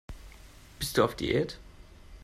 Bist du auf Diät?